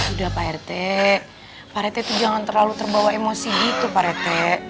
udah pak rete pak rete tuh jangan terlalu terbawa emosi gitu pak rete